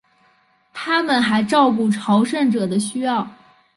他们还照顾朝圣者的需要。